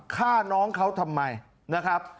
ฆ่าน้องเขาทำไมนะครับ